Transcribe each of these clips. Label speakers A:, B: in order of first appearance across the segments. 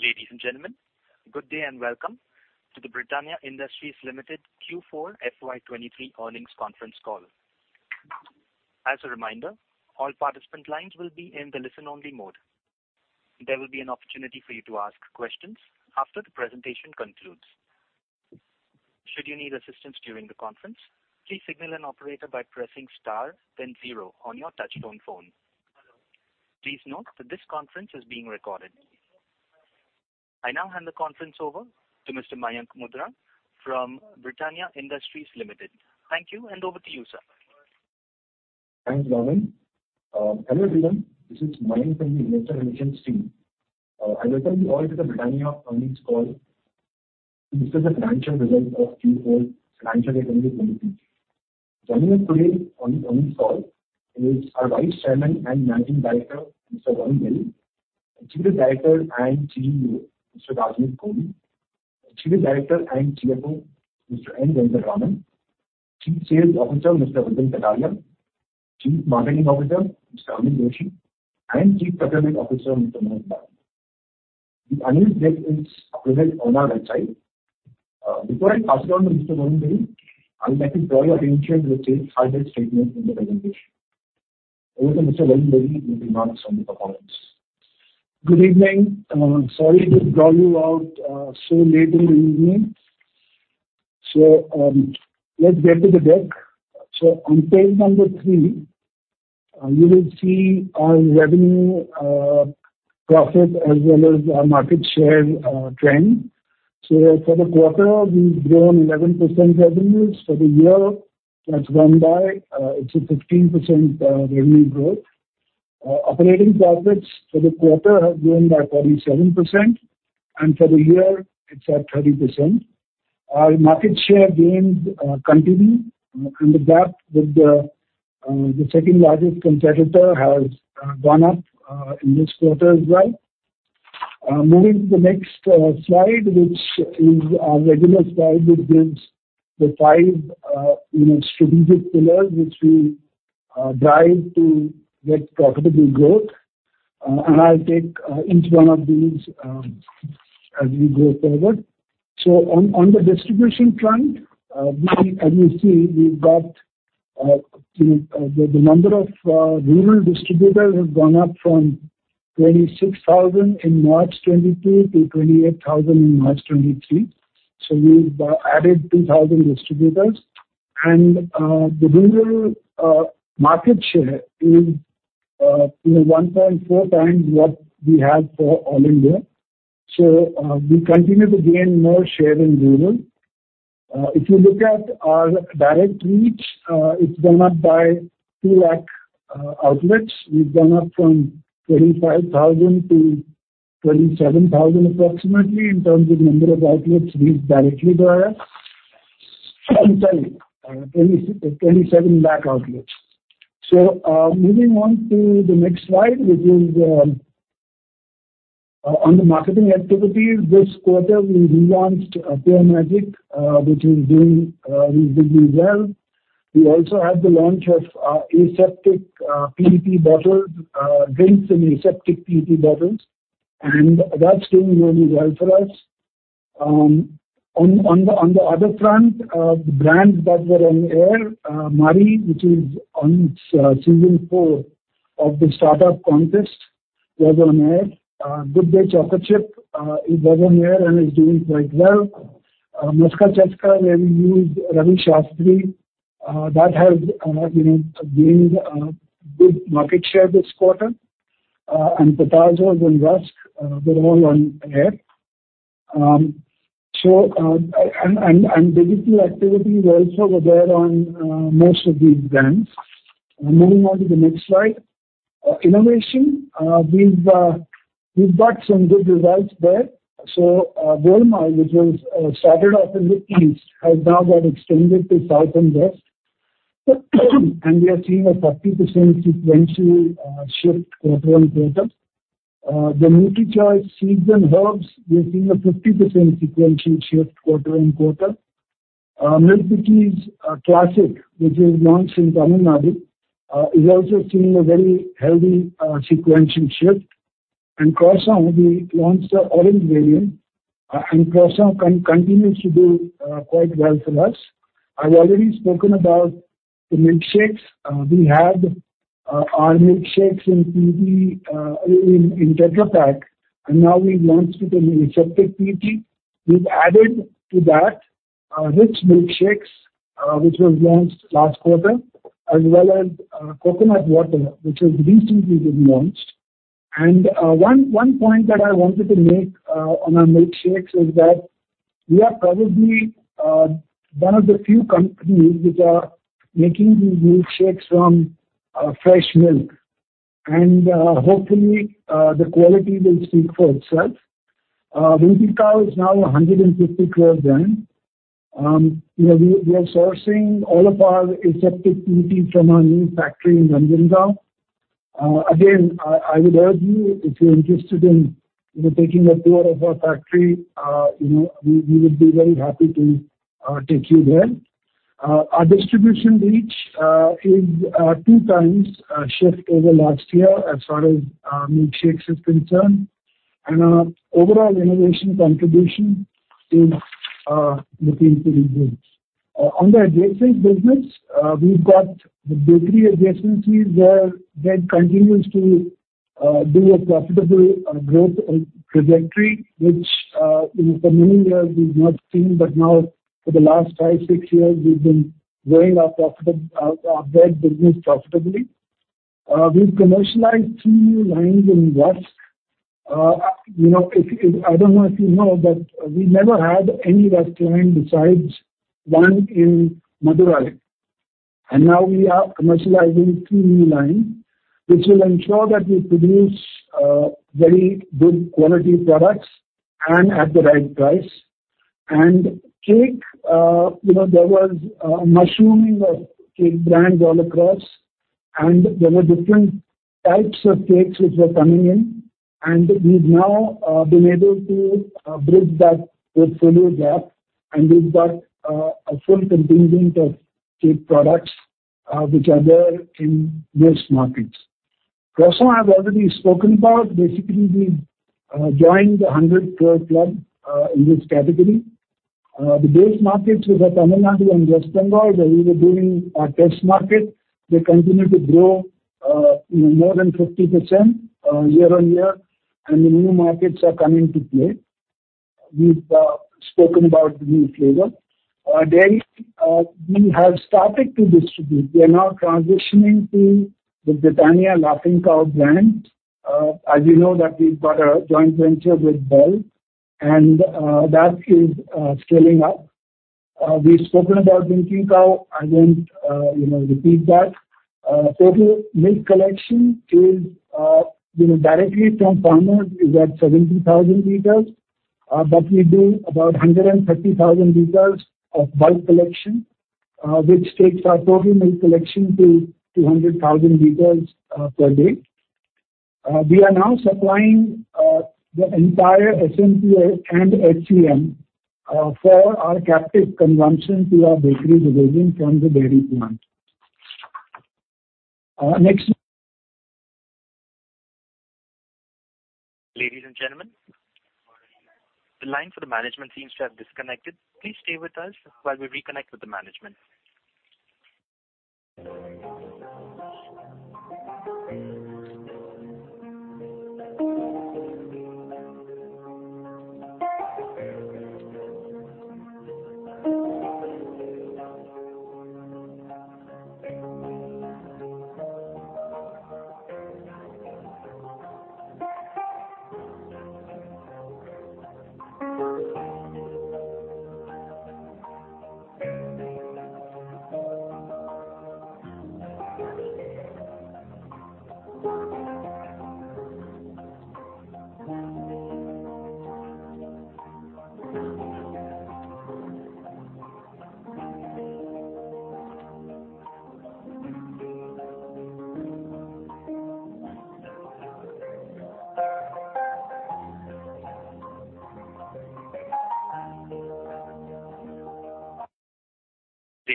A: Ladies and gentlemen, good day and welcome to the Britannia Industries Limited Q4 FY 2023 earnings conference call. As a reminder, all participant lines will be in the listen-only mode. There will be an opportunity for you to ask questions after the presentation concludes. Should you need assistance during the conference, please signal an operator by pressing star then zero on your touch-tone phone. Please note that this conference is being recorded. I now hand the conference over to Mr. Mayank Mundra from Britannia Industries Limited. Thank you, and over to you, sir.
B: Thanks, [Robin]. Hello, everyone. This is Mayank from the investor relations team. I welcome you all to the Britannia earnings call to discuss the financial results of Q4 2023. Joining us today on the earnings call is our Vice Chairman and Managing Director, Mr. Varun Berry, Executive Director and CEO, Mr. Rajneet Kohli, Executive Director and CFO, Mr. N. Venkataraman, Chief Sales Officer, Mr. Vipin Kataria, Chief Marketing Officer, Mr. Amit Doshi, and Chief Procurement Officer, Mr. Manoj Balgi. The earnings deck is available on our website. Before I pass it on to Mr. Varun Berry, I would like to draw your attention to the safe-harbor statement in the presentation. Over to Mr. Varun Berry with remarks on the performance.
C: Good evening. Sorry to draw you out so late in the evening. Let's get to the deck. On page number three, you will see our revenue, profit as well as our market share trend. For the quarter, we've grown 11% revenues. For the year that's gone by, it's a 15% revenue growth. Operating profits for the quarter have grown by 47%, and for the year it's at 30%. Our market share gains continue and the gap with the second-largest competitor has gone up in this quarter as well. Moving to the next slide, which is our regular slide which gives the 5, you know, strategic pillars which we drive to get profitable growth. I'll take each one of these as we go forward. On the distribution front, as you see, we've got, you know, the number of rural distributors have gone up from 26,000 in March 2022 to 28,000 in March 2023. We've added 2,000 distributors. The rural market share is, you know, 1.4 times what we had for all India. We continue to gain more share in rural. If you look at our direct reach, it's gone up by 2 lakh outlets. We've gone up from 25,000 to 27,000 approximately in terms of number of outlets we directly cover. Sorry, 27 lakh outlets. Moving on to the next slide, which is on the marketing activities. This quarter we relaunched Pure Magic, which is doing reasonably well. We also had the launch of aseptic PET bottles, drinks in aseptic PET bottles, and that's doing really well for us. On the other front, the brands that were on air, Marie, which is on its season 4 of the startup contest, was on air. Good Day Chocochip is on air and is doing quite well. Maska Chaska, where we used Ravi Shastri, that has, you know, gained good market share this quarter. Potazos and Rusk were all on air. Digital activities also were there on most of these brands. Moving on to the next slide. Innovation. We've got some good results there. Golmaal, which was started off in the east, has now got extended to south and west. We are seeing a 40% sequential shift quarter-on-quarter. The NutriChoice Seeds & Herbs, we are seeing a 50% sequential shift quarter-on-quarter. Milk Bikis Classic, which was launched in Tamil Nadu, is also seeing a very healthy sequential shift. Croissant, we launched our orange variant, and Croissant continues to do quite well for us. I've already spoken about the milkshakes. We have our milkshakes in PE, in Tetra Pak, and now we've launched it in aseptic PET. We've added to that Rich Milkshakes, which was launched last quarter, as well as coconut water, which was recently launched. One point that I wanted to make on our milkshakes is that we are probably one of the few companies which are making these milkshakes from fresh milk. Hopefully, the quality will speak for itself. Winkin' Cow is now a 150 crore brand. You know, we are sourcing all of our aseptic PET from our new factory in Ranjangaon now. Again, I would urge you, if you're interested in, you know, taking a tour of our factory, you know, we would be very happy to take you there. Our distribution reach is 2 times shift over last year as far as milkshakes is concerned. Our overall innovation contribution is looking pretty good. On the adjacent business, we've got the bakery adjacencies where that continues to be a profitable growth trajectory, which, you know, for many years we've not seen. Now for the last five, six years, we've been growing our bread business profitably. We've commercialized three new lines in rusks. You know, I don't know if you know, but we never had any rusk line besides one in Madurai. Now we are commercializing three new line, which will ensure that we produce very good quality products and at the right price. Cake, you know, there was a mushrooming of cake brands all across, and there were different types of cakes which were coming in. We've now been able to bridge that portfolio gap, and we've got a full contingent of cake products which are there in most markets. Croissant, I've already spoken about. Basically, we joined the 100 crore club in this category. The base markets, which are Tamil Nadu and West Bengal, where we were doing our test market, they continue to grow more than 50% year-on-year, and the new markets are coming to play. We've spoken about the new flavor. Our dairy, we have started to distribute. We are now transitioning to the Britannia Laughing Cow brand. As you know that we've got a joint venture with Bel, and that is scaling up. We've spoken about Winkin' Cow. I won't, you know, repeat that. Total milk collection is, you know, directly from farmers is at 70,000 liters. But we do about 130,000 liters of bulk collection, which takes our total milk collection to 200,000 liters per day. We are now supplying the entire SMP and SCM for our captive consumption to our bakery division from the dairy plant. Next-
A: Ladies and gentlemen, the line for the management seems to have disconnected. Please stay with us while we reconnect with the management.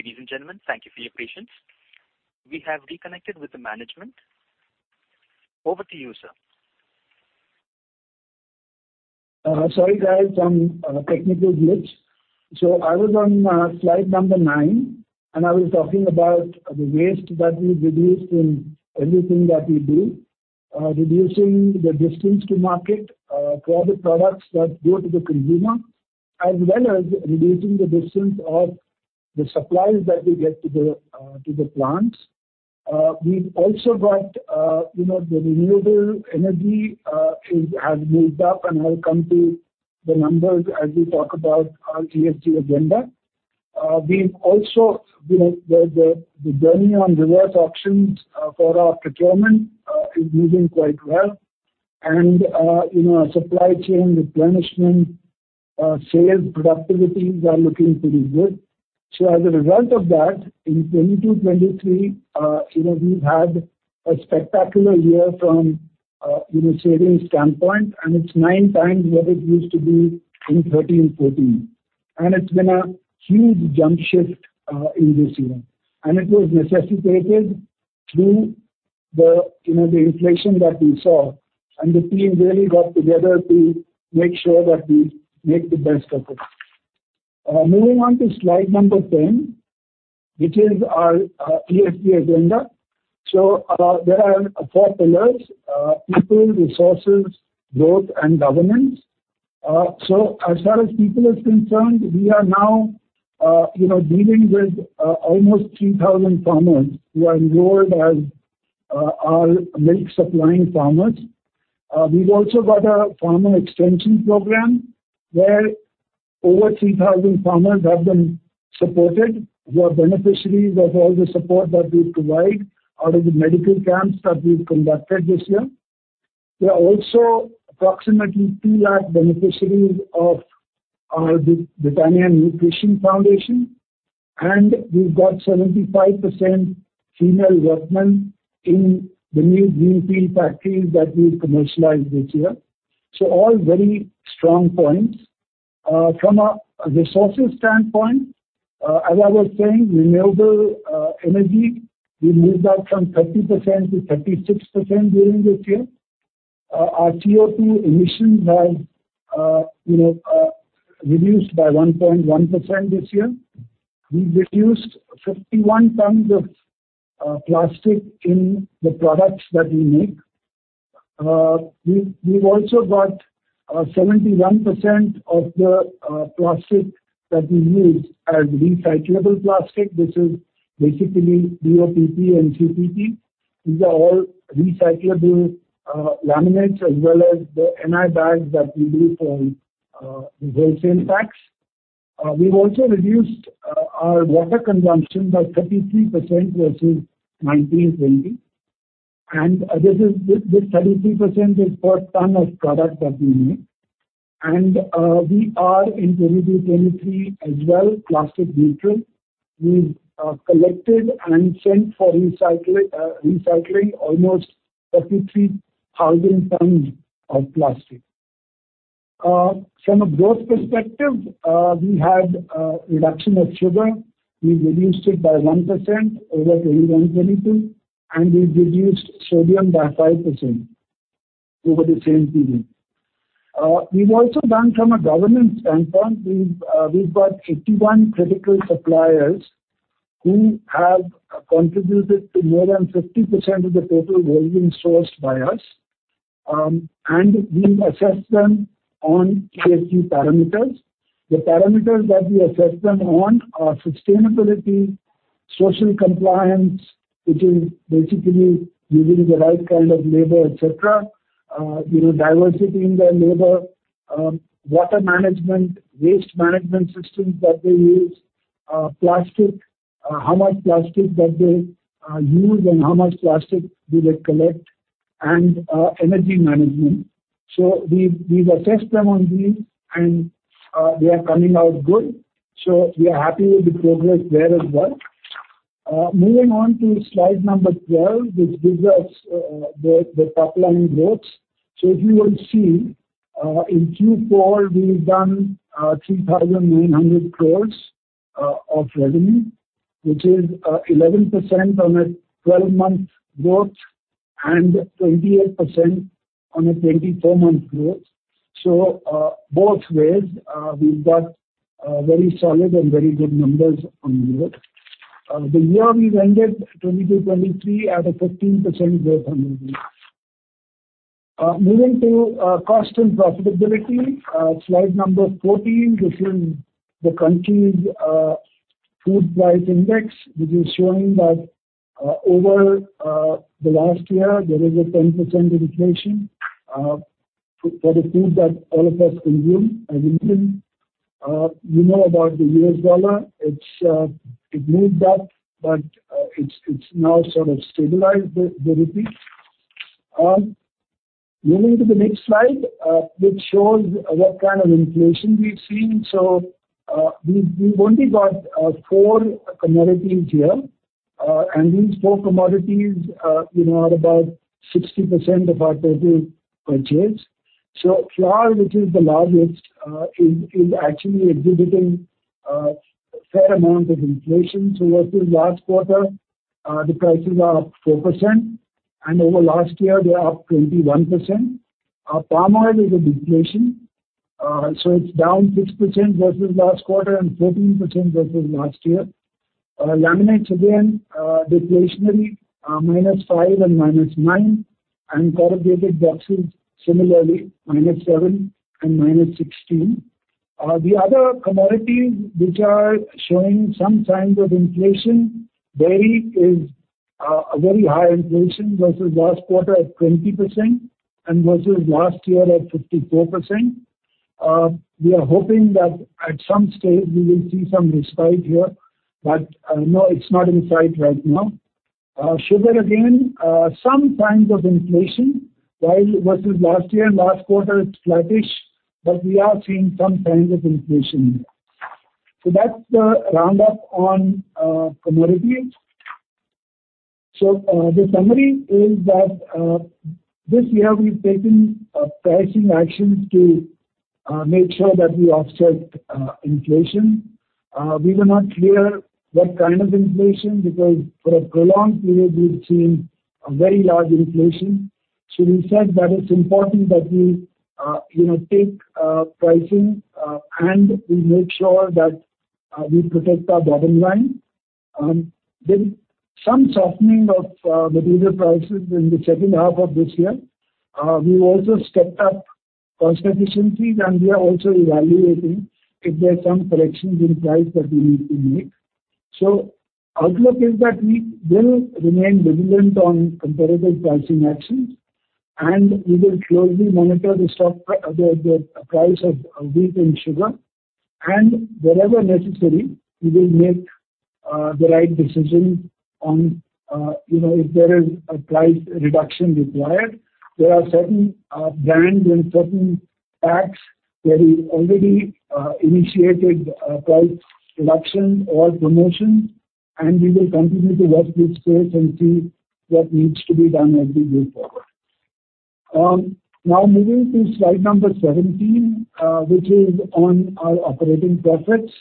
A: Ladies and gentlemen, thank you for your patience. We have reconnected with the management. Over to you, sir.
C: Sorry, guys, some technical glitch. I was on slide number nine, and I was talking about the waste that we've reduced in everything that we do. Reducing the distance to market for all the products that go to the consumer, as well as reducing the distance of the supplies that we get to the plants. We've also got, you know, the renewable energy has moved up, and I'll come to the numbers as we talk about our ESG agenda. We've also, you know, the journey on reverse auctions for our procurement is moving quite well. Our supply chain replenishment, sales productivities are looking pretty good. As a result of that, in 2022, 2023, you know, we've had a spectacular year from, you know, savings standpoint, and it's nine times what it used to be in 2013, 2014. It's been a huge jump shift in this year. It was necessitated through the, you know, the inflation that we saw, and the team really got together to make sure that we make the best of it. Moving on to slide number 10, which is our ESG agenda. There are four pillars: people, resources, growth, and governance. As far as people is concerned, we are now, you know, dealing with almost 3,000 farmers who are enrolled as our milk supplying farmers. We've also got a formal extension program where over 3,000 farmers have been supported, who are beneficiaries of all the support that we provide out of the medical camps that we've conducted this year. There are also approximately 2 lakh beneficiaries of our Britannia Nutrition Foundation, and we've got 75% female workmen in the new greenfield factories that we've commercialized this year. All very strong points. From a resources standpoint, as I was saying, renewable energy, we moved up from 30% to 36% during this year. Our CO2 emissions have, you know, reduced by 1.1% this year. We've reduced 51 tons of plastic in the products that we make. We've also got 71% of the plastic that we use as recyclable plastic. This is basically BOPP and CPP. These are all recyclable laminates as well as the NI bags that we do for wholesale packs. We've also reduced our water consumption by 33% versus 2019-2020. This 33% is per ton of product that we make. We are in 2022, 2023 as well plastic neutral. We've collected and sent for recycling almost 33,000 tons of plastic. From a growth perspective, we had reduction of sugar. We reduced it by 1% over 2021, 2022, and we reduced sodium by 5% over the same period. We've also done from a governance standpoint, we've got 81 critical suppliers who have contributed to more than 50% of the total volume sourced by us. We assess them on a few parameters. The parameters that we assess them on are sustainability, social compliance, which is basically using the right kind of labor, et cetera. you know, diversity in their labor, water management, waste management systems that they use, plastic, how much plastic that they use and how much plastic do they collect and energy management. We, we assess them on these and they are coming out good, so we are happy with the progress there as well. Moving on to slide number 12, which gives us the top line growth. If you will see, in Q4 we've done 3,900 crores of revenue, which is 11% on a 12-month growth and 28% on a 24-month growth Both ways, we've got very solid and very good numbers on growth. The year we've ended 2022, 2023 at a 13% growth on revenue. Moving to cost and profitability. Slide number 14, which is the country's food price index, which is showing that over the last year there is a 10% inflation for the food that all of us consume as Indian. You know about the US dollar. It's it moved up, but it's now sort of stabilized the rupee. Moving to the next slide, which shows what kind of inflation we've seen. We've only got four commodities here. And these four commodities, you know, are about 60% of our total purchase. Flour, which is the largest, is actually exhibiting a fair amount of inflation. Versus last quarter, the prices are up 4%, and over last year they are up 21%. Palm oil is a deflation, it's down 6% versus last quarter and 14% versus last year. Laminates again, deflationary, -5% and -9%, and corrugated boxes similarly -7% and -16%. The other commodities which are showing some signs of inflation, dairy is a very high inflation versus last quarter at 20% and versus last year at 54%. We are hoping that at some stage we will see some respite here, but no, it's not in sight right now. Sugar again, some signs of inflation while versus last year and last quarter it's flattish, but we are seeing some signs of inflation here. That's the round up on commodities. The summary is that this year we've taken pricing actions to make sure that we offset inflation. We were not clear what kind of inflation, because for a prolonged period we've seen a very large inflation. We said that it's important that we, you know, take pricing, and we make sure that we protect our bottom line. There's some softening of material prices in the second half of this year. We also stepped up cost efficiencies, and we are also evaluating if there are some corrections in price that we need to make. Outlook is that we will remain vigilant on competitive pricing actions, we will closely monitor the price of wheat and sugar. Wherever necessary, we will make the right decision on, you know, if there is a price reduction required. There are certain brands and certain packs where we already initiated a price reduction or promotion. We will continue to watch this space and see what needs to be done as we move forward. Now moving to slide number 17, which is on our operating profits.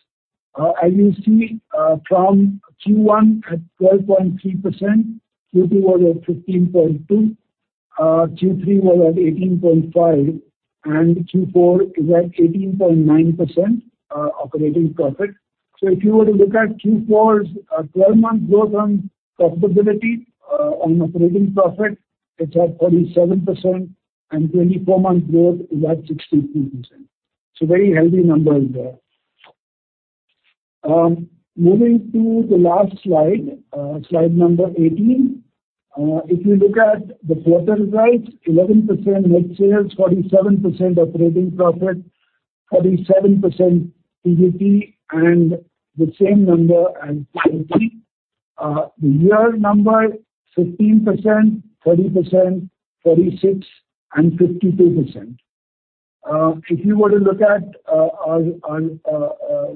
C: As you see, from Q1 at 12.3%, Q2 was at 15.2%, Q3 was at 18.5%, and Q4 is at 18.9% operating profit. If you were to look at Q4's, 12-month growth on profitability, on operating profit, it's at 47%, and 24-month growth is at 63%. Very healthy numbers there. Moving to the last slide number 18. If you look at the quarter results, 11% net sales, 47% operating profit, 47% PBT, and the same number as Q3. The year number 15%, 30%, 46%, and 52%. If you were to look at our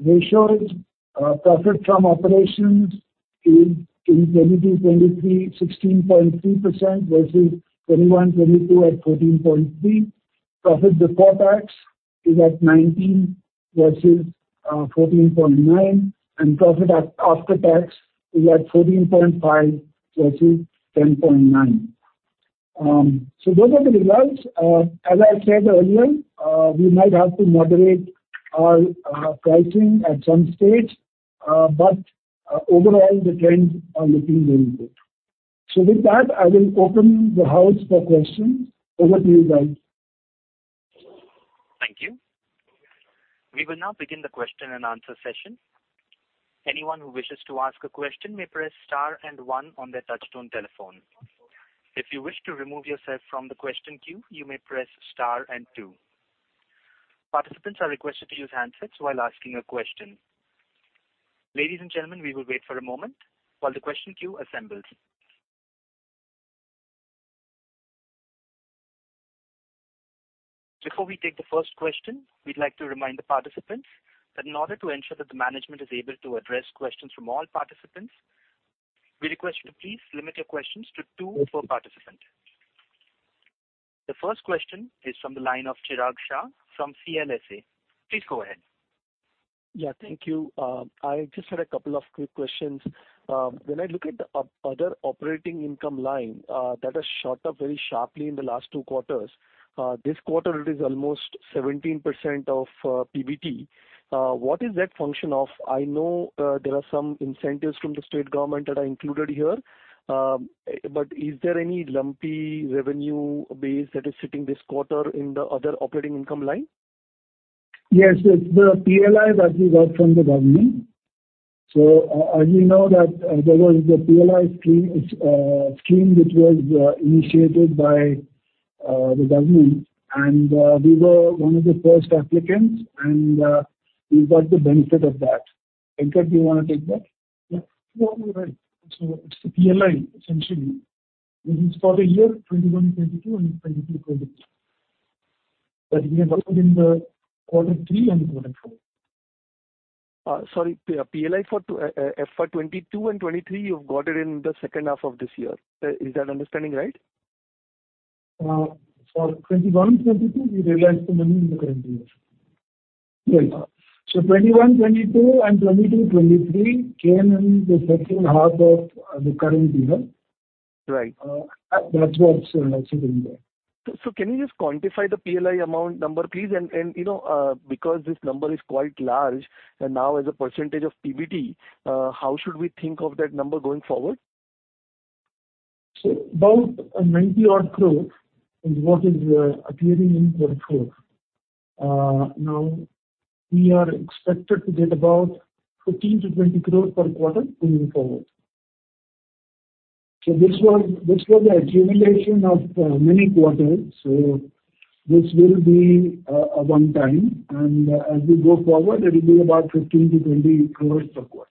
C: ratios, profit from operations in 2022/2023, 16.3% versus 2021/2022 at 14.3%. Profit before tax is at 19% versus 14.9%. Profit after tax is at 14.5% versus 10.9%. Those are the results. As I said earlier, we might have to moderate our pricing at some stage, but overall the trends are looking very good. With that, I will open the house for questions. Over to you, guys.
A: Thank you. We will now begin the question-and-answer session. Anyone who wishes to ask a question may press star and one on their touchtone telephone. If you wish to remove yourself from the question queue, you may press star and two. Participants are requested to use handsets while asking a question. Ladies and gentlemen, we will wait for a moment while the question queue assembles. Before we take the first question, we'd like to remind the participants that in order to ensure that the management is able to address questions from all participants, we request you to please limit your questions to two per participant. The first question is from the line of Chirag Shah from CLSA. Please go ahead.
D: Yeah. Thank you. I just had a couple of quick questions. When I look at the other operating income line, that has shot up very sharply in the last two quarters. This quarter it is almost 17% of PBT. What is that function of? I know, there are some incentives from the state government that are included here. Is there any lumpy revenue base that is sitting this quarter in the other operating income line?
C: Yes. It's the PLI that we got from the government. As you know that, there was the PLI scheme which was initiated by the government and we were one of the first applicants, and we got the benefit of that. Venkat, do you wanna take that?
E: Yeah. You're right. It's the PLI essentially. This is for the year 2021 and 2022 and 2022/2023. We have booked in the Q3 and Q4.
D: Sorry, PLI for FY 2022 and 2023, you've got it in the second half of this year. Is that understanding right?
C: For 2021 and 2022, we realized the money in the current year. Yes. 2021/2022 and 2022/2023 came in the second half of the current year.
D: Right.
C: That's why it's sitting there.
D: Can you just quantify the PLI amount number, please? You know, because this number is quite large, and now as a percentage of PBT, how should we think of that number going forward?
C: About 90 odd crore is what is appearing in Q4. Now we are expected to get about 15-20 crore per quarter moving forward. This was a accumulation of many quarters. This will be a one-time, and as we go forward, it'll be about 15-20 crore per quarter.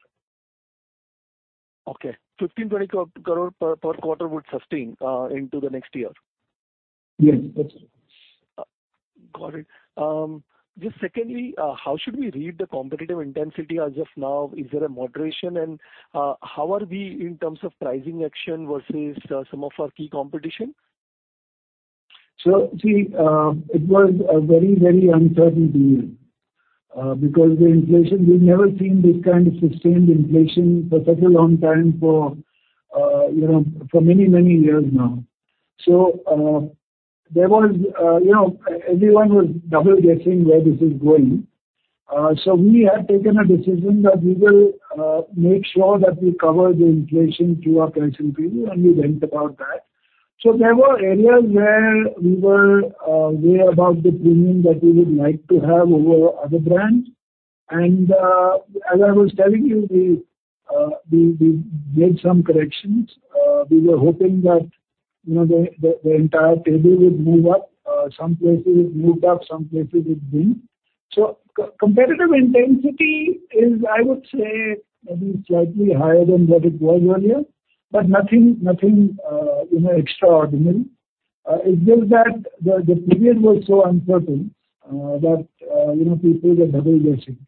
D: Okay. 15-20 crore per quarter would sustain into the next year?
C: Yes, that's it.
D: Got it. Just secondly, how should we read the competitive intensity as of now? Is there a moderation? How are we in terms of pricing action versus some of our key competition?
C: It was a very, very uncertain year because the inflation, we've never seen this kind of sustained inflation for such a long time for many, many years now. There was everyone was double-guessing where this is going. We had taken a decision that we will make sure that we cover the inflation through our pricing review, and we went about that. There were areas where we were way above the premium that we would like to have over other brands. As I was telling you, we made some corrections. We were hoping that the entire table would move up. Some places it moved up, some places it didn't. Competitive intensity is, I would say, maybe slightly higher than what it was earlier, but nothing, you know, extraordinary. It's just that the period was so uncertain that, you know, people were double-guessing.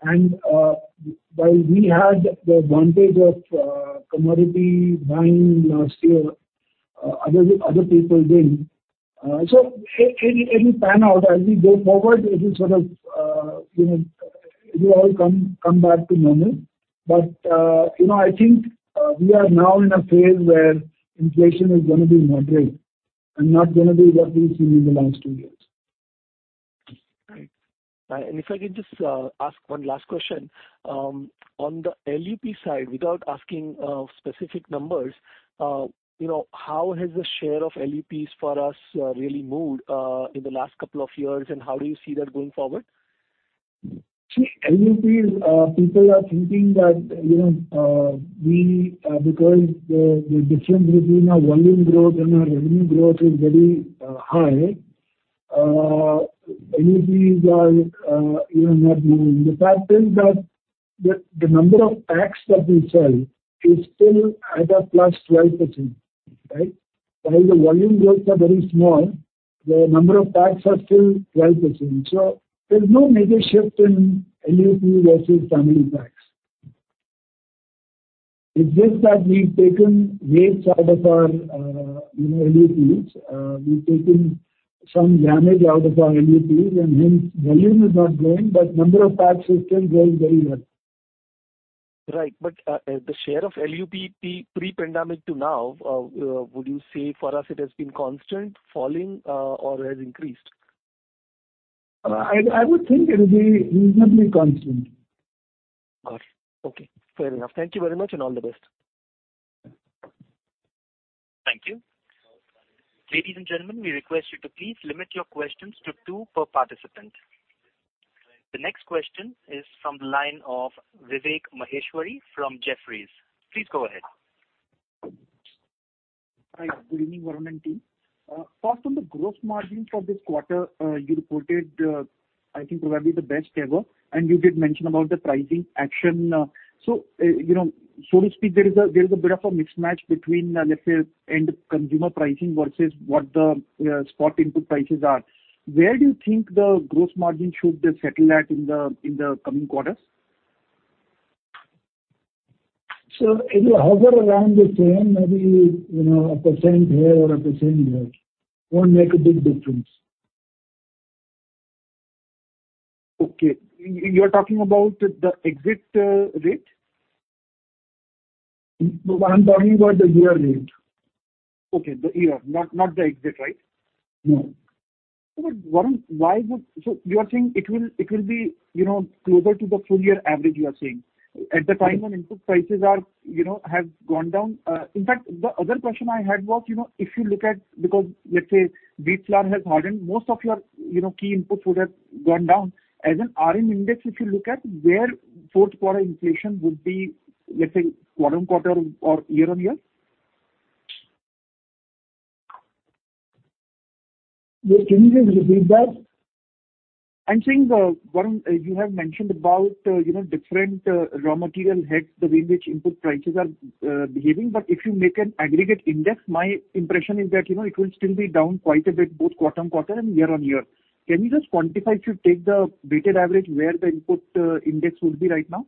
C: While we had the advantage of commodity buying last year, other people didn't. So it'll pan out. As we go forward, it'll sort of, you know, it'll all come back to normal. I think, we are now in a phase where inflation is gonna be moderate and not gonna be what we've seen in the last two years.
D: Right. If I could just ask one last question. On the LUP side, without asking specific numbers, you know, how has the share of LUPs for us really moved in the last couple of years? How do you see that going forward?
C: LUPs, people are thinking that, you know, we, because the difference between our volume growth and our revenue growth is very high, LUPs are, you know, not moving. The fact is that the number of packs that we sell is still at a +12%. Right? While the volume growths are very small, the number of packs are still 12%. There's no major shift in LUP versus family packs. It's just that we've taken waste out of our, you know, LUPs. We've taken some grammage out of our LUPs and hence volume is not growing, but number of packs is still growing very well.
D: Right. The share of LUP pre-pandemic to now, would you say for us it has been constant, falling, or has increased?
C: I would think it would be reasonably constant.
D: Got it. Okay. Fair enough. Thank you very much, and all the best.
A: Thank you. Ladies and gentlemen, we request you to please limit your questions to two per participant. The next question is from the line of Vivek Maheshwari from Jefferies. Please go ahead.
F: Hi. Good evening, Varun and team. First on the gross margin for this quarter, you reported, I think probably the best ever, and you did mention about the pricing action. You know, so to speak, there is a bit of a mismatch between, let's say, end consumer pricing versus what the spot input prices are. Where do you think the gross margin should settle at in the coming quarters?
E: It'll hover around the same, maybe, you know, 1% here or 1% there. Won't make a big difference.
F: Okay. You're talking about the exit rate?
E: No. I'm talking about the year rate.
F: Okay. The year, not the exit, right?
E: No.
F: Varun, you are saying it will be, you know, closer to the full year average, you are saying?
E: Yes.
F: At the time when input prices are, you know, have gone down. In fact, the other question I had was, you know, if you look at, because let's say wheat flour has hardened, most of your, you know, key inputs would have gone down. As an RM index, if you look at where fourth quarter inflation would be, let's say quarter-on-quarter or year-on-year?
E: Can you just repeat that?
F: I'm saying, Varun, you have mentioned about, you know, different raw material heads, the way in which input prices are behaving. If you make an aggregate index, my impression is that, you know, it will still be down quite a bit, both quarter-on-quarter and year-on-year. Can you just quantify, if you take the weighted average, where the input index would be right now?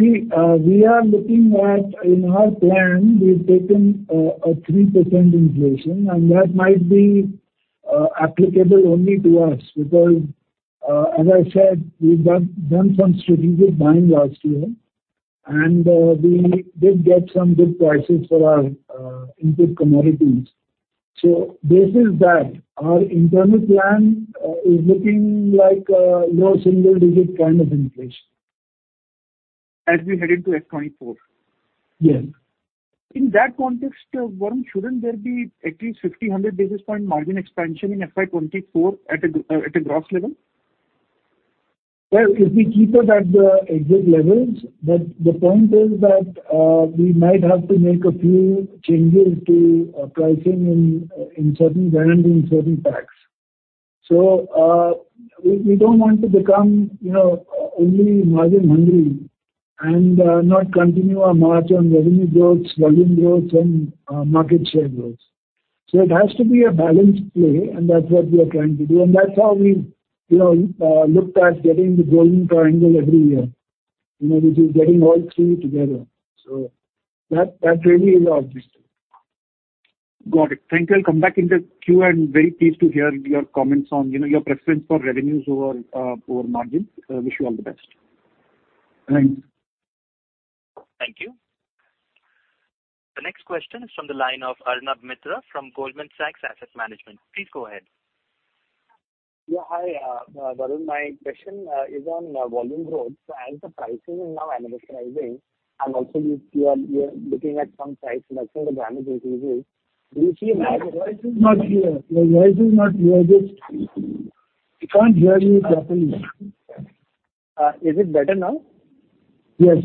E: See, we are looking at in our plan we've taken a 3% inflation. That might be applicable only to us because as I said, we've done some strategic buying last year, and we did get some good prices for our input commodities. Basis that, our internal plan is looking like, you know, single-digit kind of inflation.
F: As we head into FY 2024?
E: Yes.
F: In that context, Varun, shouldn't there be at least 50-100 basis point margin expansion in FY 2024 at a gross level?
C: Well, if we keep it at the exit levels, but the point is that we might have to make a few changes to pricing in certain brands, in certain packs. We don't want to become, you know, only margin hungry and not continue our march on revenue growth, volume growth and market share growth. It has to be a balanced play, and that's what we are trying to do. That's how we, you know, looked at getting the volume triangle every year. You know, which is getting all three together. That really is our objective.
F: Got it. Thank you. I'll come back into queue. Very pleased to hear your comments on, you know, your preference for revenues over margins. Wish you all the best.
C: Thanks.
A: Thank you. The next question is from the line of Arnab Mitra from Goldman Sachs Asset Management. Please go ahead.
G: Yeah. Hi, Varun. My question is on volume growth. As the pricing is now anniversarizing and also you are looking at some price reduction to grammage increases, do you see-
C: Your voice is not clear. You can't hear me properly?
G: Is it better now?
C: Yes.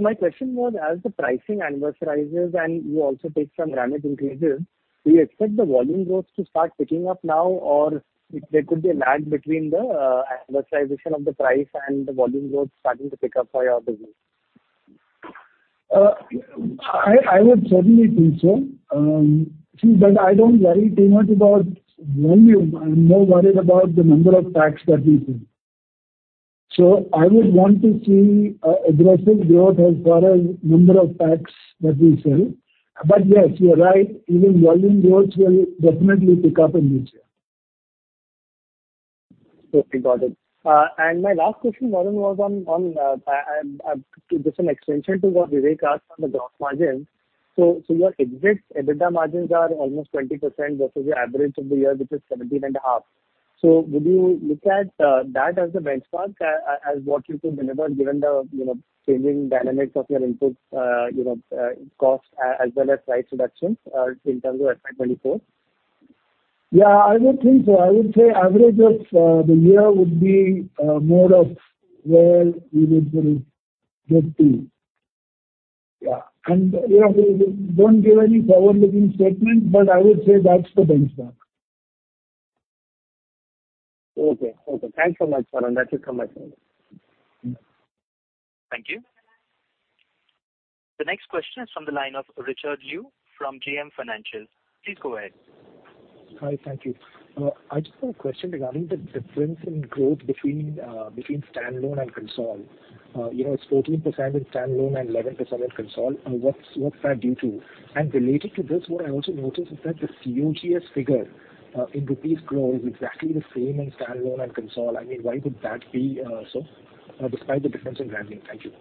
G: My question was, as the pricing anniversarizes and you also take some grammage increases, do you expect the volume growth to start picking up now? Or there could be a lag between the anniversarization of the price and the volume growth starting to pick up for your business?
C: I would certainly think so. See, I don't worry too much about volume. I'm more worried about the number of packs that we sell. I would want to see aggressive growth as far as number of packs that we sell. Yes, you are right. Even volume growth will definitely pick up in this year.
G: Got it. My last question, Varun, was on I'm just an extension to what Vivek asked on the gross margins. Your EBIT, EBITDA margins are almost 20% versus your average of the year, which is 17.5%. Would you look at that as a benchmark as what you could deliver given the, you know, changing dynamics of your inputs, you know, costs as well as price reductions in terms of FY 2024?
C: Yeah, I would think so. I would say average of the year would be more of where we would get to. Yeah. Yeah, we don't give any forward-looking statement, but I would say that's the benchmark.
G: Okay. Okay. Thanks so much, Varun. That's it from my side.
A: Thank you. The next question is from the line of Richard Liu from JM Financial. Please go ahead.
H: Hi. Thank you. I just have a question regarding the difference in growth between standalone and consolidated. You know, it's 14% in standalone and 11% in consolidated. What's that due to? Related to this, what I also noticed is that the COGS figure in rupees crore is exactly the same in standalone and consolidated. I mean, why would that be so, despite the difference in revenue? Thank you.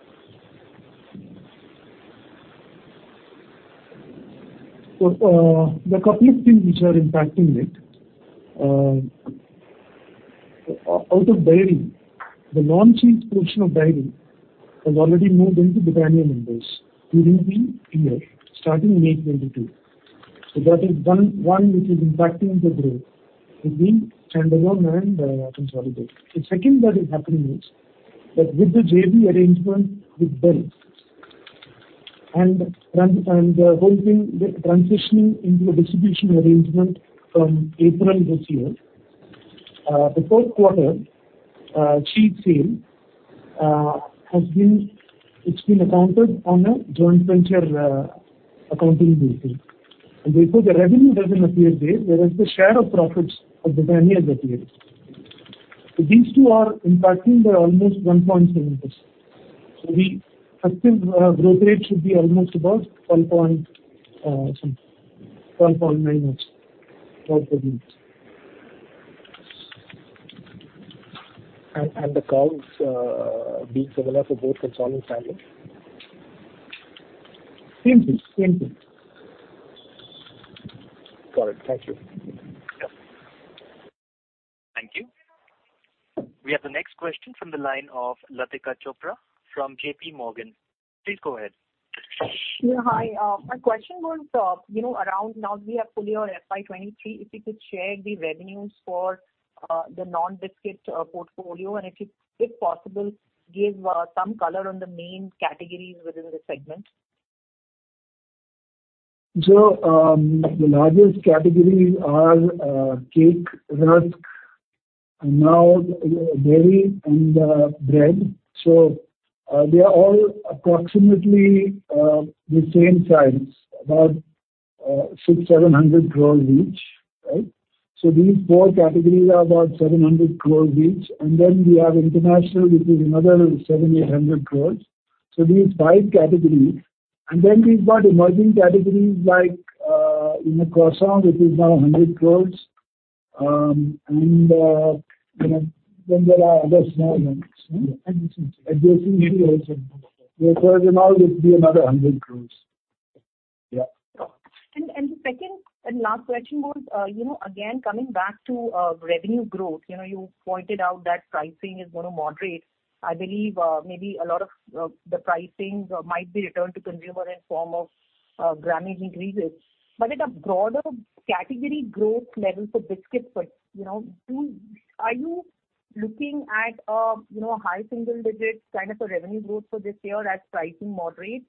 E: There are a couple of things which are impacting it. Out of dairy, the non-cheese portion of dairy has already moved into Britannia numbers during the year starting in April 2022. That is one which is impacting the growth between standalone and consolidated. The second that is happening is that with the JV arrangement with dairy and whole thing transitioning into a distribution arrangement from April this year, the fourth quarter cheese sale has been accounted on a joint venture accounting basis. Therefore, the revenue doesn't appear there, whereas the share of profits of Britannia appears. These two are impacting by almost 1.7%. The effective growth rate should be almost about 12.something, 12.9 or something. About that range.
H: The COGS is being similar for both consolidated and standalone?
E: Same thing. Same thing.
H: Got it. Thank you.
A: Thank you. We have the next question from the line of Latika Chopra from JPMorgan. Please go ahead.
I: Yeah, hi. My question was, you know, around now that we are fully on FY 2023, if you could share the revenues for the non-biscuit portfolio, and if you, if possible, give some color on the main categories within the segment.
C: The largest categories are cake, rusk, and now dairy and bread. They are all approximately the same size, about 600-700 crores each, right? These four categories are about 700 crores each. We have international, which is another 700-800 crores. These five categories. We've got emerging categories like, you know, croissant, which is now 100 crores. You know, there are other small ones. Yeah. Adjacency. Adjacency also. Therefore in all it would be another INR 100 crores. Yeah.
I: The second and last question was, you know, again, coming back to revenue growth, you know, you pointed out that pricing is gonna moderate. I believe, maybe a lot of the pricing might be returned to consumer in form of grammage increases. At a broader category growth level for biscuits, you know, Are you looking at, you know, high single digits kind of a revenue growth for this year as pricing moderates?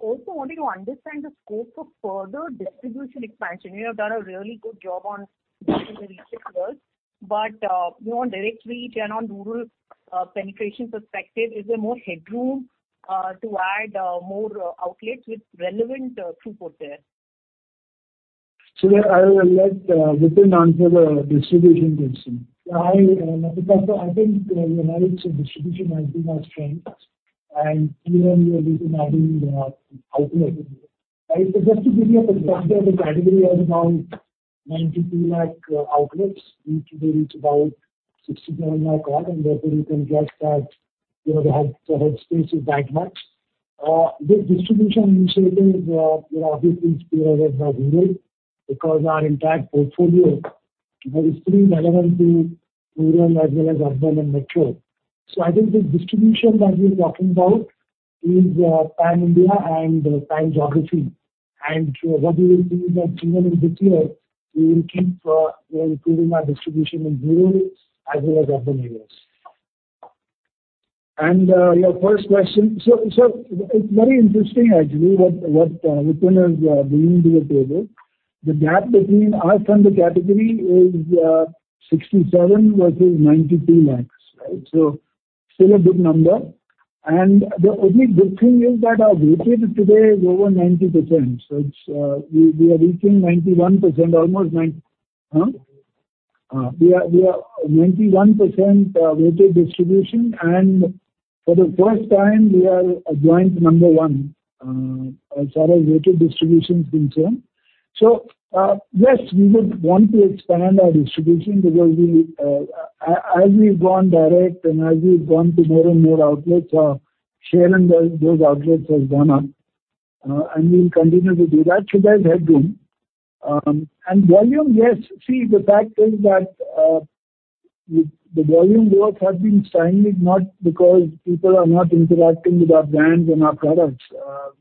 I: Also wanted to understand the scope of further distribution expansion. You have done a really good job on in the recent years. You know, on direct reach and on rural penetration perspective, is there more headroom to add more outlets with relevant throughput there?
C: I will let Vipin answer the distribution question. Latika, I think, you know, it's a distribution has been our strength and even we have been adding outlets. Just to give you a perspective, the category has about 92 lakh outlets. Each village about 60-70 lakh crore, therefore you can guess that, you know, the headspace is that much. The distribution initiative is, you know, obviously superior as well rural because our entire portfolio, you know, is pretty relevant to rural as well as urban and metro. I think the distribution that we're talking about is pan-India and pan-geography. What we will do is that even in this year, we will keep, you know, improving our distribution in rural as well as urban areas. Your first question. it's very interesting actually what Vipin has bring to the table. The gap between us and the category is 67 versus 92 lakhs, right? Still a good number. The only good thing is that our weighted today is over 90%. it's we are reaching 91% weighted distribution. For the first time we are a joint number one as far as weighted distribution is concerned. yes, we would want to expand our distribution because we as we've gone direct and as we've gone to more and more outlets, our share in those outlets has gone up. We will continue to do that should there is headroom. Volume, yes. See, the fact is that the volume growth has been stagnant, not because people are not interacting with our brands and our products.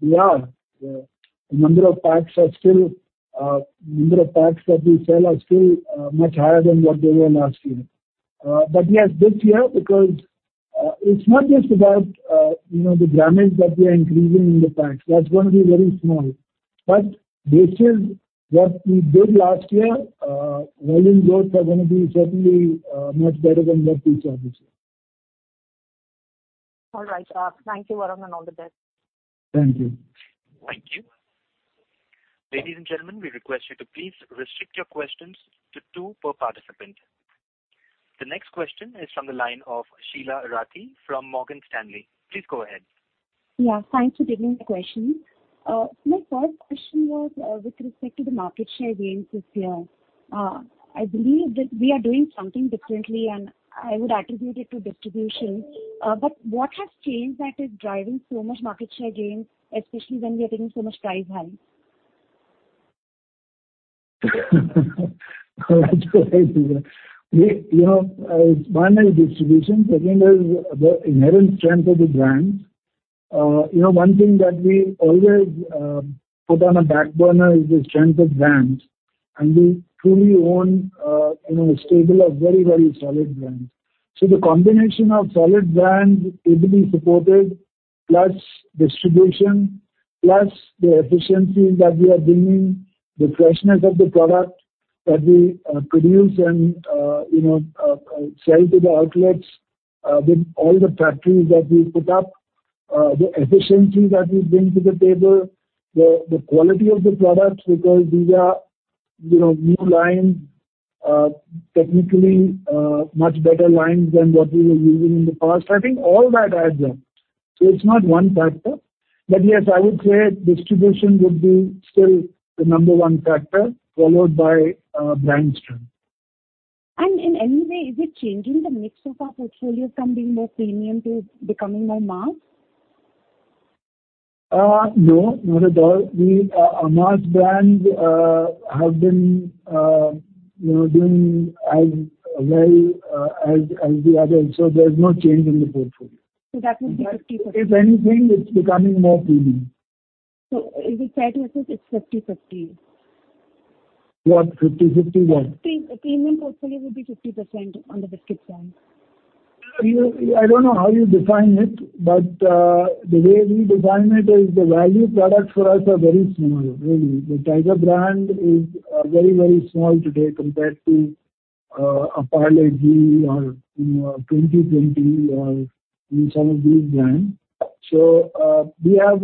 C: They are. The number of packs are still, number of packs that we sell are still, much higher than what they were last year. Yes, this year because it's not just about, you know, the grammage that we are increasing in the packs. That's gonna be very small. This year what we did last year, volume growths are gonna be certainly, much better than what we saw this year.
I: All right. Thank you, Varun, and all the best.
C: Thank you.
A: Thank you. Ladies and gentlemen, we request you to please restrict your questions to two per participant. The next question is from the line of Sheela Rathi from Morgan Stanley. Please go ahead.
J: Yeah, thanks for taking the question. My first question was, with respect to the market share gains this year. I believe that we are doing something differently, and I would attribute it to distribution. What has changed that is driving so much market share gains, especially when we are taking so much price hike?
C: All right. You know, one is distribution. Second is the inherent strength of the brands. You know, one thing that we always put on a back burner is the strength of brands. We truly own, you know, a stable of very, very solid brands. The combination of solid brands, heavily supported, plus distribution, plus the efficiencies that we are bringing, the freshness of the product that we produce and, you know, sell to the outlets with all the factories that we put up, the efficiency that we bring to the table, the quality of the products, because these are, you know, new lines, technically, much better lines than what we were using in the past. I think all that adds up. It's not one factor. Yes, I would say distribution would be still the number one factor, followed by brand strength.
J: In any way, is it changing the mix of our portfolio from being more premium to becoming more mass?
C: No, not at all. We, our mass brands, have been, you know, doing as well, as the others, so there's no change in the portfolio.
J: That would be 50%.
C: If anything, it's becoming more premium.
J: if I tell you it's 50/50.
C: What? 50/50 what?
J: Premium portfolio would be 50% on the biscuit side.
C: I don't know how you define it, but the way we define it is the value products for us are very small, really. The Tiger brand is very small today compared to Parle-G or, you know, Twenty20 or some of these brands. We have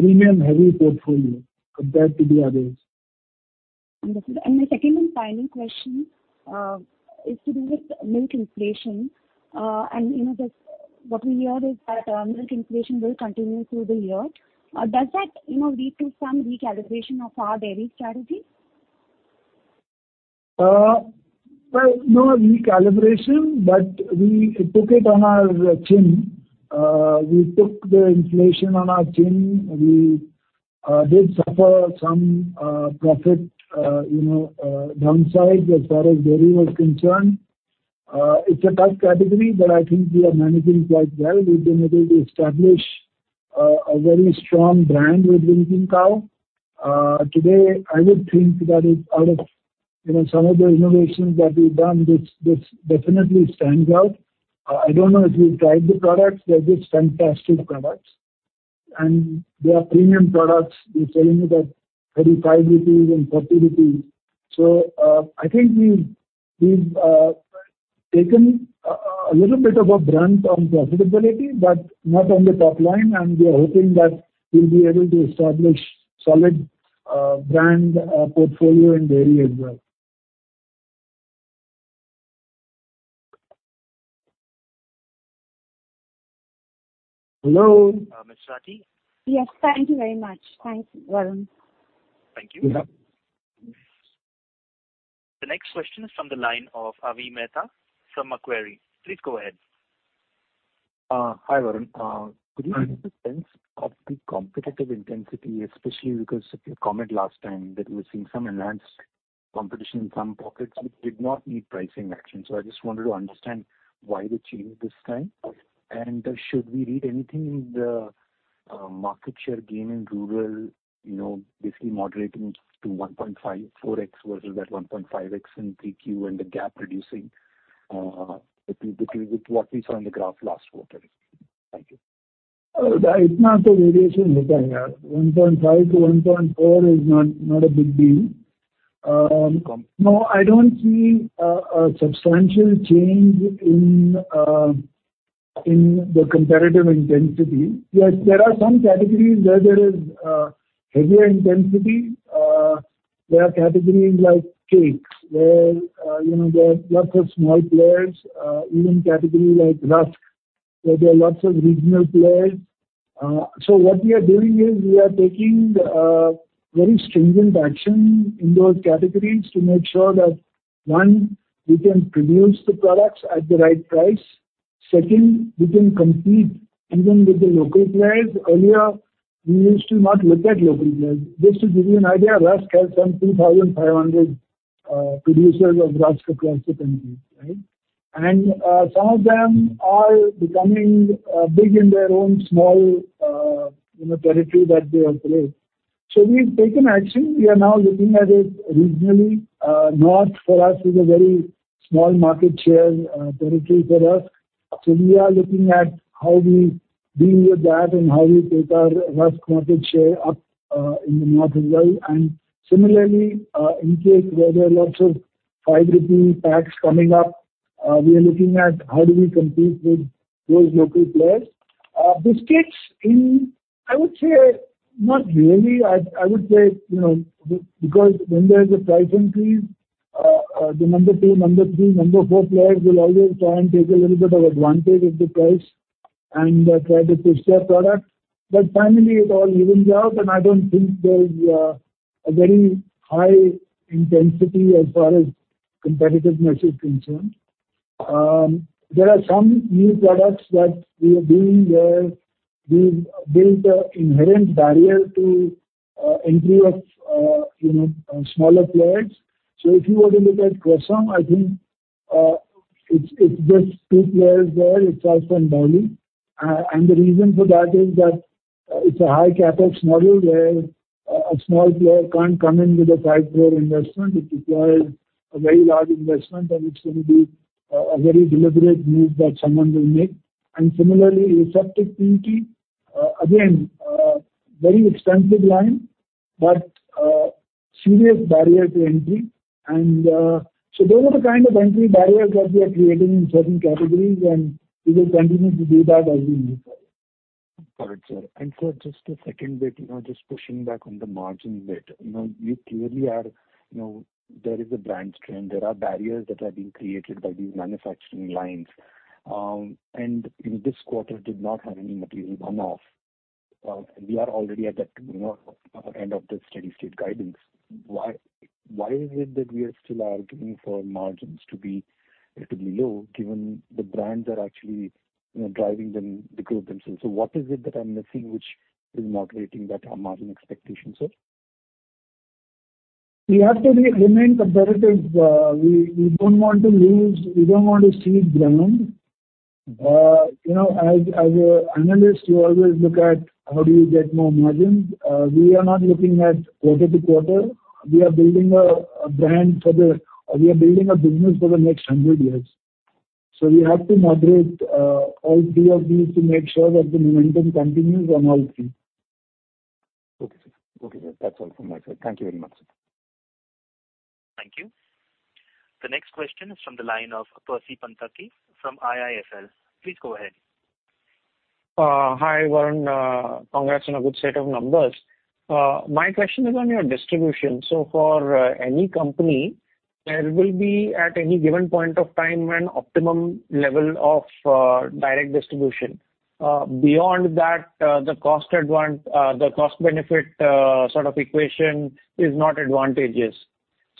C: a premium heavy portfolio compared to the others.
J: Understood. My second and final question is to do with milk inflation. You know this, what we hear is that milk inflation will continue through the year. Does that, you know, lead to some recalibration of our dairy strategy?
C: Well, no recalibration, but we took it on our chin. We took the inflation on our chin. We did suffer some profit, you know, downside as far as dairy was concerned. It's a tough category. I think we are managing quite well. We've been able to establish a very strong brand with Winkin' Cow. Today I would think that is out of, you know, some of the innovations that we've done, this definitely stands out. I don't know if you've tried the products. They're just fantastic products. They are premium products. We're selling it at 35 rupees and INR 40. I think we've taken a little bit of a brunt on profitability, but not on the top line. We are hoping that we'll be able to establish solid brand portfolio in dairy as well. Hello.
A: Ms. Rathi?
J: Yes, thank you very much. Thanks, Varun.
A: Thank you.
C: Yeah.
A: The next question is from the line of Avi Mehta from Macquarie. Please go ahead.
K: Hi, Varun.
C: Hi.
K: Could you give us a sense of the competitive intensity, especially because of your comment last time that we're seeing some enhanced competition in some pockets, which did not need pricing action. I just wanted to understand why the change this time. Should we read anything in the market share gain in rural, you know, basically moderating to 1.54x versus that 1.5x in 3Q and the gap reducing between what we saw in the graph last quarter? Thank you.
C: That not the variation 1.5 to 1.4 is not a big deal. No, I don't see a substantial change in the competitive intensity. Yes, there are some categories where there is heavier intensity. There are categories like cakes, where, you know, there are lots of small players, even category like Rusk, where there are lots of regional players. What we are doing is we are taking very stringent action in those categories to make sure that, one, we can produce the products at the right price. Second, we can compete even with the local players. Earlier, we used to not look at local players. Just to give you an idea, Rusk has some 2,500 producers of Rusk across the country, right? Some of them are becoming big in their own small, you know, territory that they operate. We've taken action. We are now looking at it regionally. North for us is a very small market share, territory for us. We are looking at how we deal with that and how we take our Rusk market share up in the north as well. Similarly, in case where there are lots of 5 rupee packs coming up, we are looking at how do we compete with those local players. I would say not really. I would say, you know, because when there's a price increase, the number two, number three, number four players will always try and take a little bit of advantage of the price and try to push their product. Finally it all evens out, and I don't think there is a very high intensity as far as competitiveness is concerned. There are some new products that we are doing where we've built an inherent barrier to entry of, you know, smaller players. If you were to look at Croissant, I think, it's just two players there. It's us and Dali. And the reason for that is that it's a high CapEx model where a small player can't come in with an 5 crore investment. It requires a very large investment, and it's gonna be a very deliberate move that someone will make. Similarly, Receptive Pinky, again, very extensive line, but serious barrier to entry. Those are the kind of entry barriers that we are creating in certain categories, and we will continue to do that as we move forward.
K: Got it, sir. Sir, just a second bit, you know, just pushing back on the margin bit. You know, you clearly are, you know, there is a brand strength. There are barriers that are being created by these manufacturing lines. You know, this quarter did not have any material one-off. We are already at that, you know, end of the steady-state guidance. Why is it that we are still arguing for margins to be relatively low, given the brands are actually, you know, driving them, the growth themselves? What is it that I'm missing which is moderating that, our margin expectations, sir?
C: We have to remain competitive. We don't want to lose, we don't want to cede ground. You know, as an analyst, you always look at how do you get more margins. We are not looking at quarter to quarter. We are building a business for the next 100 years. We have to moderate all three of these to make sure that the momentum continues on all three.
K: Okay, sir. Okay, sir. That's all from my side. Thank you very much, sir.
A: Thank you. The next question is from the line of Percy Panthaki from IIFL. Please go ahead.
L: Hi, Varun. Congrats on a good set of numbers. My question is on your distribution. For any company, there will be at any given point of time an optimum level of direct distribution. Beyond that, the cost benefit sort of equation is not advantageous.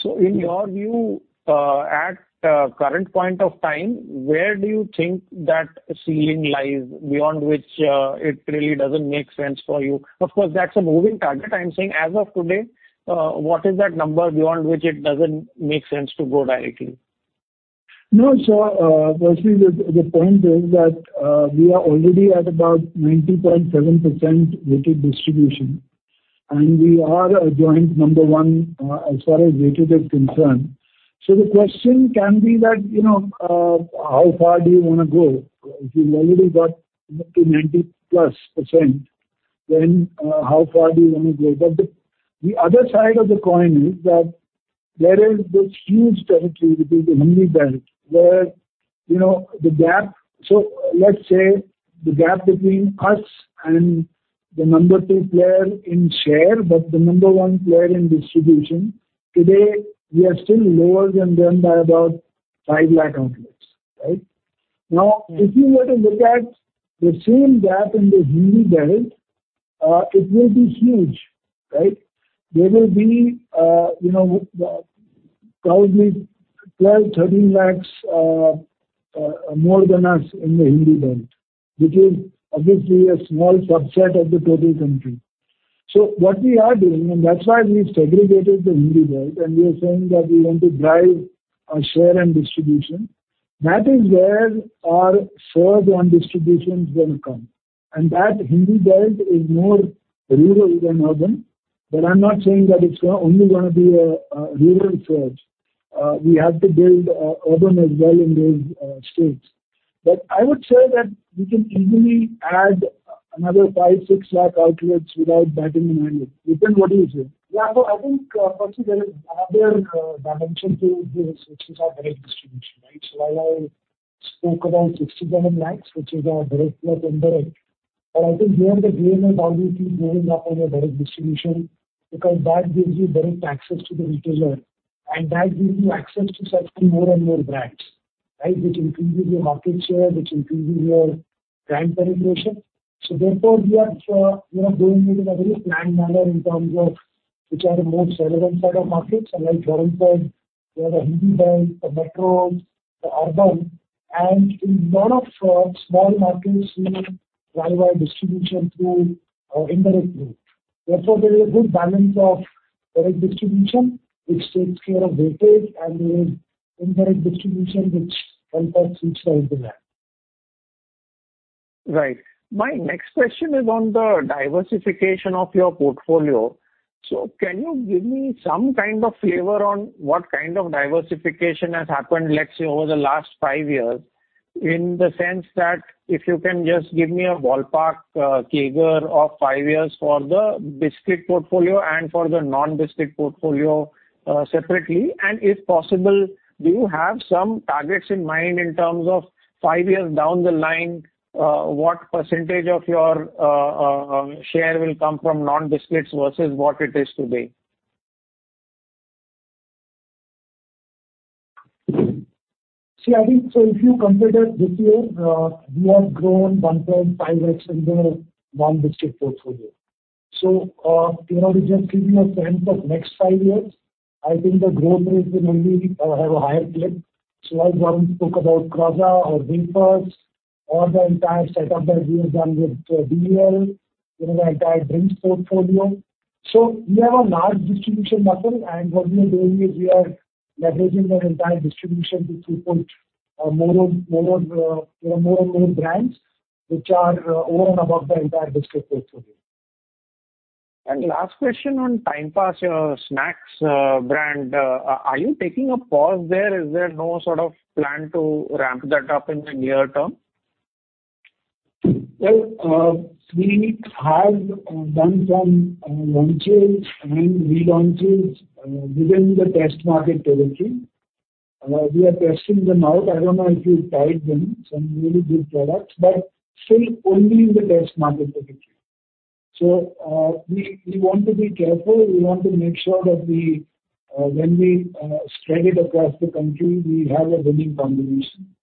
L: In your view, at current point of time, where do you think that ceiling lies beyond which it really doesn't make sense for you? Of course, that's a moving target. I'm saying as of today, what is that number beyond which it doesn't make sense to go directly?
C: No, sir. Firstly, the point is that we are already at about 90.7% weighted distribution, and we are a joint number one as far as weighted is concerned. The question can be that, you know, how far do you wanna go? If you've already got up to 90+%, then how far do you wanna go? The other side of the coin is that there is this huge territory, which is the Hindi Belt, where, you know, let's say the gap between us and the number two player in share, but the number one player in distribution, today we are still lower than them by about 5 lakh outlets, right? If you were to look at the same gap in the Hindi Belt, it will be huge, right? There will be, you know, probably 12, 13 lakhs more than us in the Hindi Belt, which is obviously a small subset of the total country. What we are doing, and that's why we've segregated the Hindi Belt, and we are saying that we want to drive our share and distribution. That is where our serve on distribution is gonna come, and that Hindi Belt is more rural than urban. I'm not saying that it's only gonna be rural stores. We have to build, urban as well in those, states. I would say that we can easily add another 5, 6 lakh outlets without batting an eyelid. Vipin, what do you say?
M: Yeah. I think, firstly there is another dimension to this, which is our direct distribution, right? I spoke about 67 lakh, which is our direct plus indirect. I think here the game is obviously going up on a direct distribution, because that gives you direct access to the retailer, and that gives you access to sell more and more brands, right, which increases your market share, which increases your brand penetration. Therefore, we are, you know, doing it in a very planned manner in terms of which are the most relevant set of markets, unlike Varun said, we have a Hindi belt, a metros, urban. In lot of small markets we drive our distribution through our indirect route. Therefore, there is a good balance of direct distribution, which takes care of weightage and the indirect distribution which helps us reach the end of that.
L: Right. My next question is on the diversification of your portfolio. My next question is on the diversification of your portfolio. Can you give me some kind of flavor on what kind of diversification has happened, let's say, over the last five years, in the sense that if you can just give me a ballpark CAGR of five years for the biscuit portfolio and for the non-biscuit portfolio separately? If possible, do you have some targets in mind in terms of five years down the line, what % of your share will come from non-biscuits versus what it is today?
E: See, I think so if you consider this year, we have grown 1.5x in the non-biscuit portfolio. You know, if you are thinking of terms of next five years, I think the growth rate will only have a higher clip. As Varun spoke about [Kraza] or Wafers or the entire setup that we have done with DL, you know, the entire drinks portfolio. We have a large distribution network, and what we are doing is we are leveraging that entire distribution to push more and more, you know, brands which are over and above the entire biscuit portfolio.
L: Last question on Time Pass snacks brand. Are you taking a pause there? Is there no sort of plan to ramp that up in the near term?
C: We have done some launches and relaunches within the test market territory. We are testing them out. I don't know if you've tried them. Some really good products, but still only in the test market territory. We want to be careful. We want to make sure that we when we spread it across the country, we have a winning combination.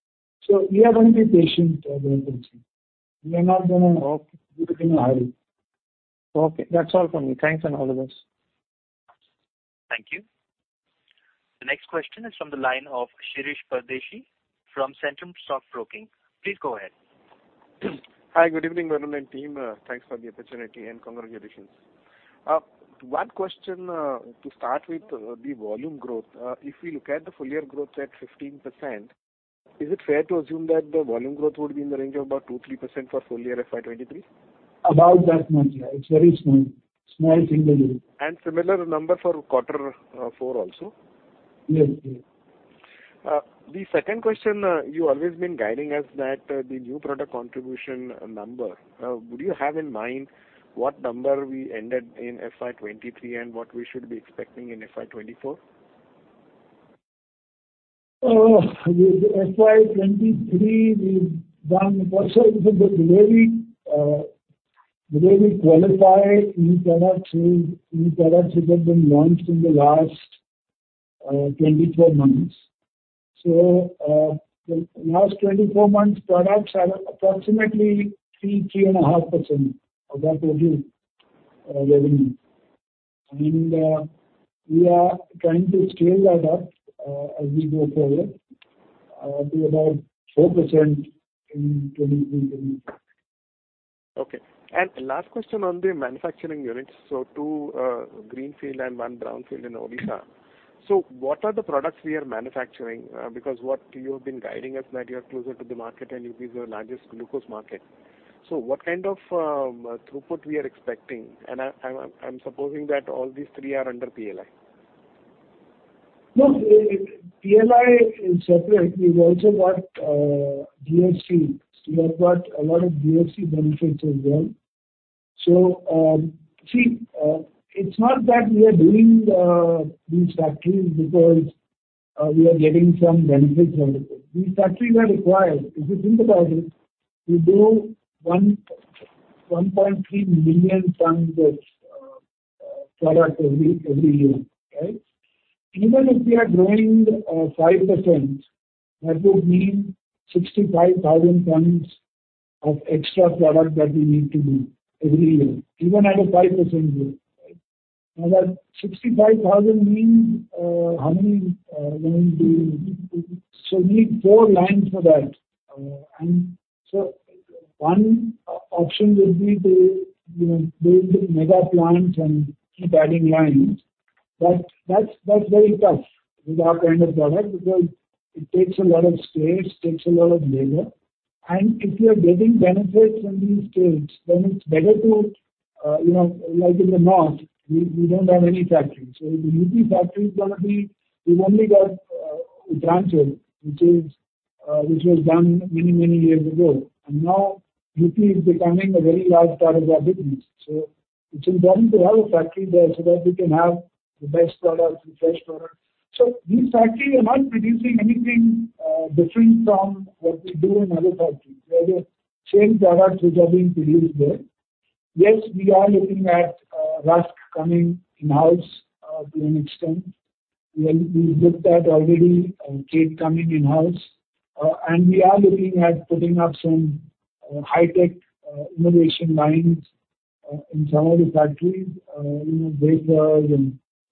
C: We are going to be patient, Varun, I think. We are not gonna do it in a hurry.
L: Okay. That's all from me. Thanks and all the best.
A: Thank you. The next question is from the line of Shirish Pardeshi from Centrum Stock Broking. Please go ahead.
N: Hi. Good evening, Varun and team. Thanks for the opportunity and congratulations. One question, to start with, the volume growth. If we look at the full year growth at 15%, is it fair to assume that the volume growth would be in the range of about 2%-3% for full year FY 2023?
C: About that margin. It's very small. Small single digit.
N: Similar number for quarter 4 also?
C: Yes. Yes.
N: The second question, you always been guiding us that, the new product contribution number. Do you have in mind what number we ended in FY 2023 and what we should be expecting in FY 2024?
C: With FY 2023, we've done quite well because the way we, the way we qualify new products is, new products which have been launched in the last, 24 months. The last 24 months products are approximately 3.5% of our total, revenue. We are trying to scale that up, as we go forward, to about 4% in 2024.
N: Okay. Last question on the manufacturing units. Two greenfield and one brownfield in Odisha. What are the products we are manufacturing? Because what you have been guiding us that you are closer to the market and it is your largest glucose market. What kind of throughput we are expecting? I'm supposing that all these three are under PLI.
C: No. PLI is separate. We've also got GFC. We have got a lot of GFC benefits as well. See, it's not that we are doing these factories because we are getting some benefits out of it. These factories are required. If you think about it, we do 1.3 million tons of product every year, right? Even if we are growing 5%, that would mean 65,000 tons of extra product that we need to do every year, even at a 5% rate, right? Now that 65,000 means how many lines we would need. We need four lines for that. One option would be to, you know, build mega plants and keep adding lines. That's, that's very tough with our kind of product because it takes a lot of space, takes a lot of labor. If you are getting benefits from these states, then it's better to, you know, like in the north, we don't have any factory. The UP factory is gonna be. We've only got a branch there, which is, which was done many, many years ago. Now UP is becoming a very large part of our business, so it's important to have a factory there so that we can have the best products, the fresh products. These factories are not producing anything different from what we do in other factories. They are the same products which are being produced there. We are looking at rusk coming in-house to an extent. We have. We looked at already cake coming in-house. We are looking at putting up some high-tech innovation lines in some of the factories, you know, Wafers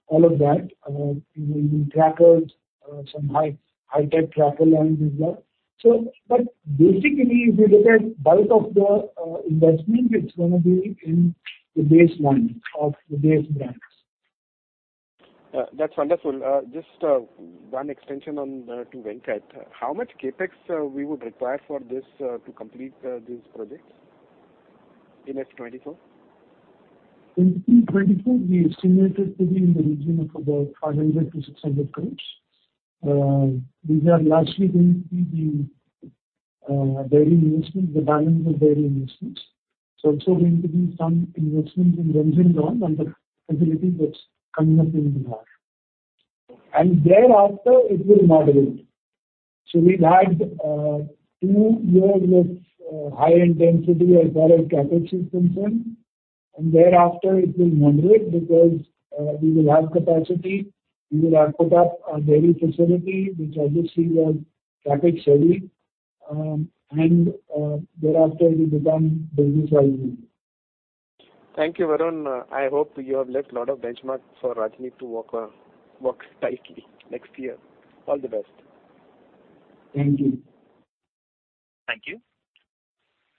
C: and all of that. Even in crackers, some high-tech cracker lines as well. Basically, if you look at bulk of the investment, it's gonna be in the base line of the base brands.
N: That's wonderful. Just one extension on to Venkat. How much CapEx we would require for this to complete these projects in FY 2024?
C: In FY 2024, we estimate it to be in the region of about 500-600 crores. These are largely going to be the, dairy investments, the balance of dairy investments. It's also going to be some investments in Ranjangaon on the facility that's coming up in Bihar. Thereafter, it will moderate. We've had, two years with, high intensity as far as CapEx is concerned, thereafter it will moderate because, we will have capacity. We will have put up a dairy facility, which obviously was CapEx heavy. Thereafter it will become business as usual.
N: Thank you, Varun. I hope you have left a lot of benchmarks for Rajneet to work tightly next year. All the best.
C: Thank you.
A: Thank you.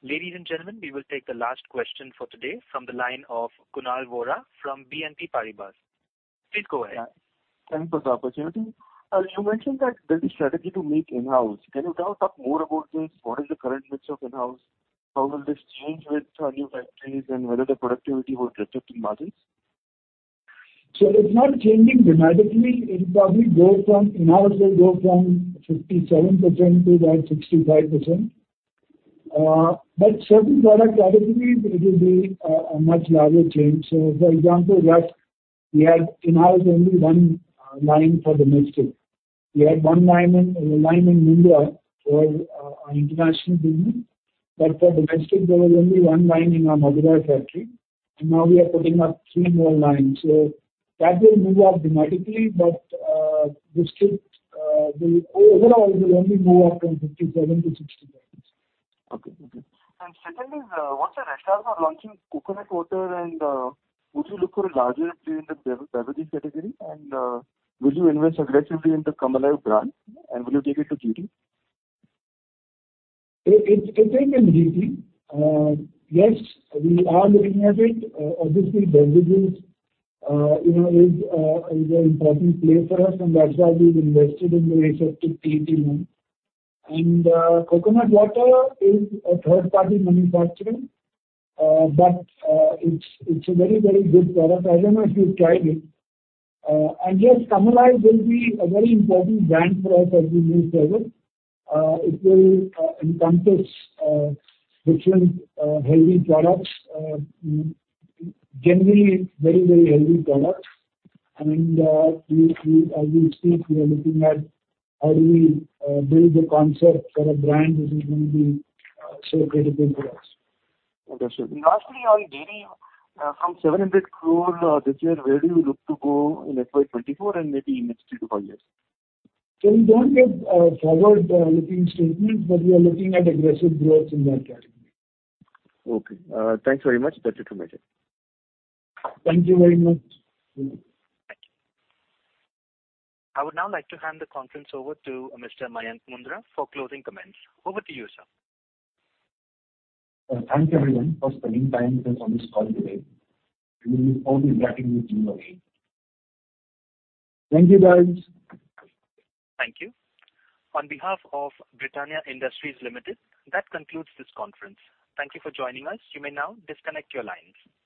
A: Ladies and gentlemen, we will take the last question for today from the line of Kunal Vora from BNP Paribas. Please go ahead.
O: Yeah. Thank you for the opportunity. You mentioned that there's a strategy to make in-house. Can you tell us more about this? What is the current mix of in-house? How will this change with new factories and whether the productivity will reflect in margins?
C: It's not changing dramatically. It'll probably go from In-house will go from 57% to around 65%. Certain products, obviously it will be a much larger change. For example, rusk, we have in-house only one line for domestic. We have one line in Mumbai for our international business. For domestic, there was only one line in our Mumbai factory, and now we are putting up three more lines. That will move up dramatically, biscuits, they overall will only move up from 57% to 60%.
O: Okay. Okay. Second is, what's the rationale for launching coconut water, and, would you look for a larger play in the beverage category? Will you invest aggressively in the Come Alive brand, and will you take it to GT?
C: It's in GT. Yes, we are looking at it. Obviously beverages, you know, is an important play for us, and that's why we've invested in the respective TTM. Coconut water is a third-party manufacturing, but it's a very, very good product. I don't know if you've tried it. Yes, Come Alive will be a very important brand for us as we move forward. It will encompass different healthy products. Generally very, very healthy products. As we speak, we are looking at how do we build the concept for a brand which is going to be so critical for us.
O: Understood. Lastly on dairy, from 700 crore this year, where do you look to go in FY 2024 and maybe in next three to five years?
C: We don't give, forward, looking statements, but we are looking at aggressive growth in that category.
O: Okay. Thanks very much. That's it from my side.
C: Thank you very much.
A: Thank you. I would now like to hand the conference over to Mr. Mayank Mundra for closing comments. Over to you, sir.
B: Thanks everyone for spending time with us on this call today. We look forward to interacting with you again.
C: Thank you, guys.
A: Thank you. On behalf of Britannia Industries Limited, that concludes this conference. Thank you for joining us. You may now disconnect your lines.